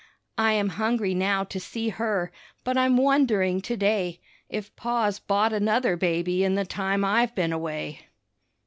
I am hungry now to see her, but I'm wondering to day If Pa's bought another baby in the time I've been away.